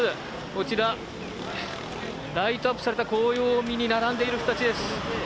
こちらライトアップされた紅葉を見に並んでいる人たちです。